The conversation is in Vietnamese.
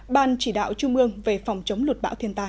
ban chỉ đạo trung ương về phòng chống lụt bão thiên tai